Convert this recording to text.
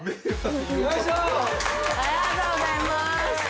ありがとうございます。